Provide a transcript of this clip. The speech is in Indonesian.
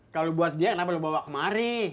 kalau buat dia kenapa lo bawa kemari